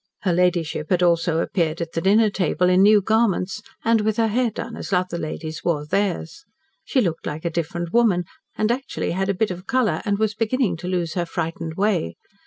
Her ladyship had also appeared at the dinner table in new garments, and with her hair done as other ladies wore theirs. She looked like a different woman, and actually had a bit of colour, and was beginning to lose her frightened way.